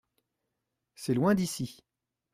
C’est loin d’ici.